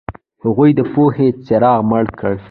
هغوی د پوهې څراغ مړ کړ.